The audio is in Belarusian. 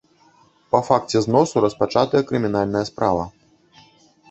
Па факце зносу распачатая крымінальная справа.